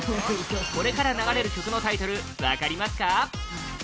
これから流れる曲のタイトル分かりますか？